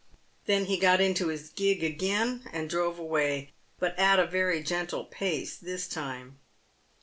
Then he got into his gig again and drove away, but at a very gentle pace this time.